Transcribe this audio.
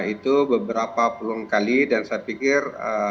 itu beberapa puluh kali dan saya pikir